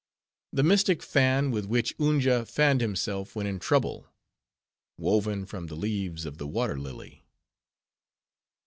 The mystic Fan with which Unja fanned himself when in trouble. (Woven from the leaves of the Water Lily).